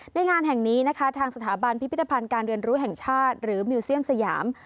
งานแห่งนี้นะคะทางสถาบันพิพิธภัณฑ์การเรียนรู้แห่งชาติหรือมิวเซียมสยาม